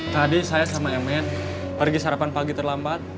tadi saya sama mn pergi sarapan pagi terlambat